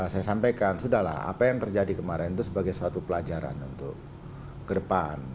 saya sampaikan sudah lah apa yang terjadi kemarin itu sebagai suatu pelajaran untuk ke depan